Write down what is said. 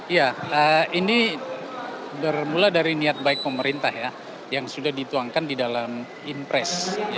ya ini bermula dari niat baik pemerintah ya yang sudah dituangkan di dalam impres